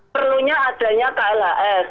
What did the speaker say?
perlunya adanya klhs